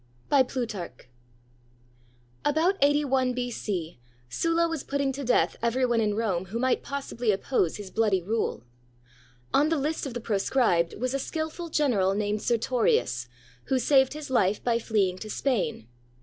] BY PLUTARCH [About 81 b.c, Sulla was putting to death every one in Rome who might possibly oppose his bloody rule. On the list of the proscribed was a skillful general named Sertorius, who saved his life by fleeing to Spain.